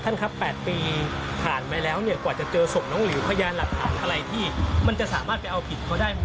ครับ๘ปีผ่านไปแล้วเนี่ยกว่าจะเจอศพน้องหลิวพยานหลักฐานอะไรที่มันจะสามารถไปเอาผิดเขาได้ไหม